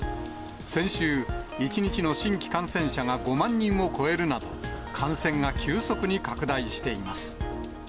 先週、１日の新規感染者が５万人を超えるなど、感染が急速に拡大しています。